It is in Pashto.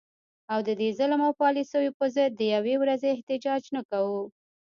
او د دې ظلم او پالیسو په ضد د یوې ورځي احتجاج نه کوو